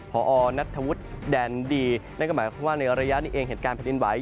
เพราะว่าข้างใจอยู่อาจจะแค่รับรู้ถึงแผ่นสันไหว